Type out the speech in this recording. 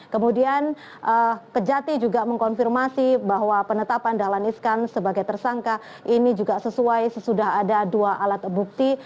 kemudian kejati juga mengkonfirmasi bahwa penetapan dahlan iskan sebagai tersangka ini juga sesuai sesudah ada dua alat bukti